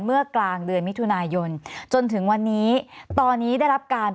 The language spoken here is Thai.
เมื่อกลางเดือนมิถุนายนจนถึงวันนี้ตอนนี้ได้รับการ